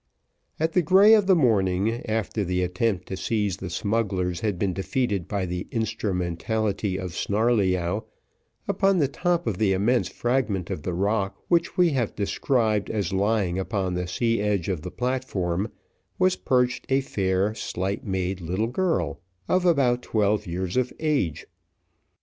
At the grey of the morning after the attempt to seize the smugglers had been defeated by the instrumentality of Snarleyyow, upon the top of the immense fragment of the rock which we have described as lying upon the sea edge of the platform, was perched a fair, slight made little girl, of about twelve years of age.